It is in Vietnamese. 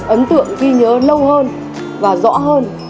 ấn tượng ghi nhớ lâu hơn và rõ hơn